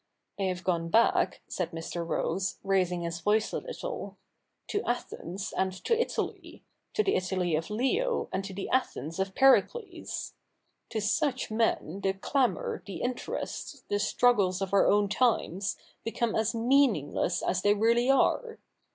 They have gone back,' said Mr. Rose, raising his voice a little, 'to Athens and to Italy, to the Italy of Leo and to the Athens of Pericles. To such men the clamour, the interests, the struggles of our own times, become as meaningless as they really are.